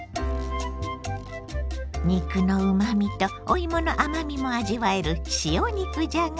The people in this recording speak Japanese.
肉のうまみとおいもの甘みも味わえる塩肉じゃが。